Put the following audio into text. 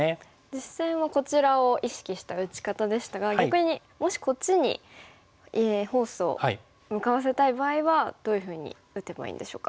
実戦はこちらを意識した打ち方でしたが逆にもしこっちにフォースを向かわせたい場合はどういうふうに打てばいいんでしょうか。